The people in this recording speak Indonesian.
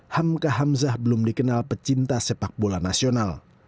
hamka hamzah belum dikenal pecinta sepak bola nasional